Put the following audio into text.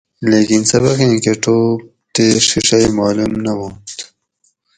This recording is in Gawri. لیکن سبقیں کہ ٹوپ تی ڛِیڛئی معلوم نہ وانتھ